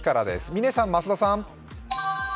嶺さん、増田さん。